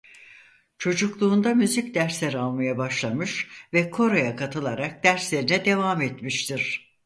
Çocukluğunda müzik dersleri almaya başlamış ve Koro'ya katılarak derslerine devam etmiştir.